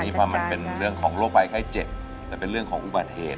เพราะมันเป็นเรื่องของโรคภัยไข้เจ็บแต่เป็นเรื่องของอุบัติเหตุ